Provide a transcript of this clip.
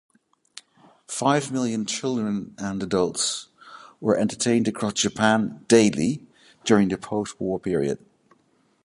Five million children and adults were entertained across Japan daily during the post-war period.